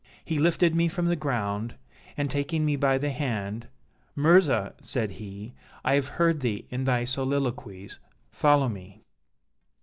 He lifted me from the ground, and taking me by the hand, 'Mirzah,' said he, 'I have heard thee in thy soliloquies; follow me.'